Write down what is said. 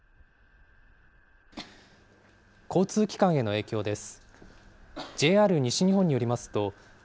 交通機関への影響です。